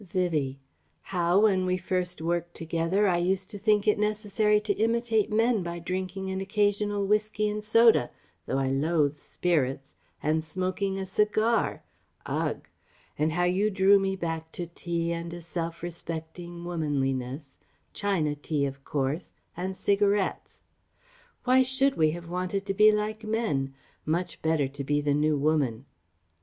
Vivie: "How, when we first worked together, I used to think it necessary to imitate men by drinking an occasional whiskey and soda though I loathe spirits and smoking a cigar ugh! And how you drew me back to tea and a self respecting womanliness China tea, of course, and cigarettes. Why should we have wanted to be like men?... much better to be the New Woman....